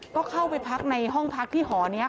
ก็เข้าไปพักในห้องพักที่หอนี้